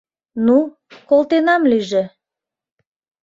— Ну, колтенам лийже.